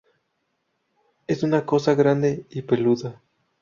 Es una cosa grande y peluda".